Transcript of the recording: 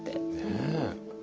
ねえ。